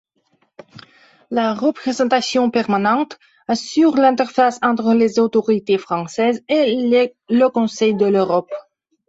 La Représentation permanente assure l'interface entre les autorités françaises et le Conseil de l’Europe.